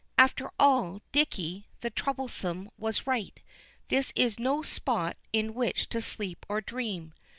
After all Dicky, the troublesome, was right this is no spot in which to sleep or dream.